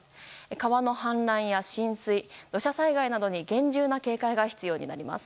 川の氾濫や浸水、土砂災害などに厳重な警戒が必要になります。